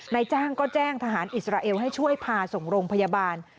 นายจ้างก็แจ้งทหารอิสราเอลให้ช่วยพาส่งโรงพยาบาล